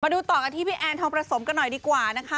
ดูต่อกันที่พี่แอนทองประสมกันหน่อยดีกว่านะคะ